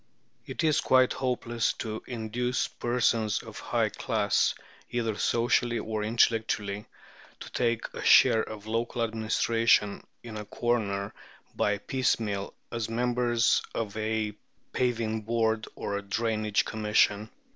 It is quite hopeless to induce persons of a high class, either socially or intellectually, to take a share of local administration in a corner by piecemeal as members of a Paving Board or a Drainage Commission."